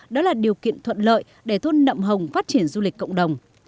đó là điều kiện thuận lợi để thôn nậm hồng phát triển du lịch cộng đồng